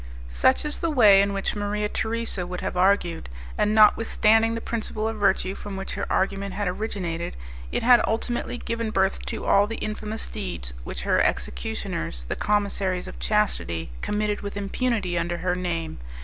Such is the way in which Maria Teresa would have argued, and notwithstanding the principle of virtue from which her argument had originated, it had ultimately given birth to all the infamous deeds which her executioners, the Commissaries of Chastity, committed with impunity under her name.